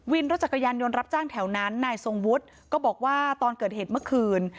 วินรถจักรยานยนต์รับจ้างแถวนั้นนายทรงวุฒิก็บอกว่าตอนเกิดเหตุเมื่อคืน